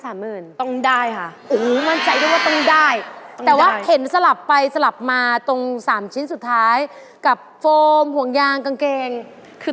ตัวต้องได้อ่ะอุ้ยมั่นใจว่าต้องได้แต่ว่าเห็นสลับไปสลับมาตรง๓ชิ้นสุดท้ายกับโฟมกุงยางก๋างเกงขุวด